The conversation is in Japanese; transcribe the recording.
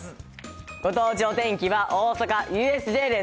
ご当地お天気は、大阪・ＵＳＪです。